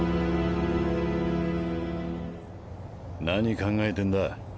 何考えてんだ？